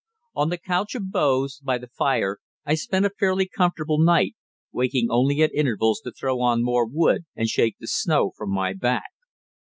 On the couch of boughs by the fire I spent a fairly comfortable night, waking only at intervals to throw on more wood and shake the snow from my back.